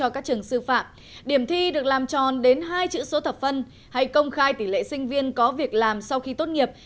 khi được làm tròn đến hai chữ số thập phân hay công khai tỷ lệ sinh viên có việc làm sau khi tốt nghiệp